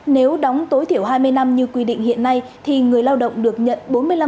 nếu đóng tối thiểu hai mươi năm như quy định hiện nay thì người lao động được nhận bốn mươi năm